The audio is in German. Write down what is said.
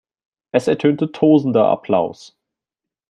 Es ertönte tosender Applaus.